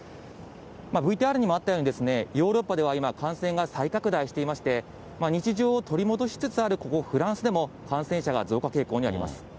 ＶＴＲにもありましたように、ヨーロッパでは今、感染が再拡大していまして、日常を取り戻しつつあるここ、フランスでも感染者が増加傾向にあります。